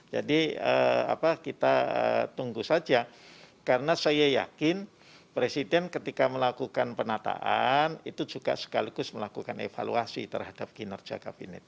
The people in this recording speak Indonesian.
jadi kita tunggu saja karena saya yakin presiden ketika melakukan penataan itu juga sekaligus melakukan evaluasi terhadap kinerja kabinet